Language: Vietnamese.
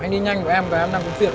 anh đi nhanh của em với em đang có việc